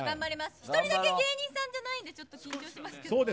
１人だけ芸人さんじゃないんでちょっと緊張してますけど。